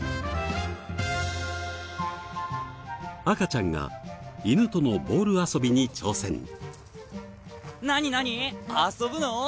赤ちゃんが犬とのボール遊びに挑戦。